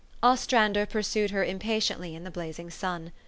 . Ostrander pursued her impatiently in the blazing sun.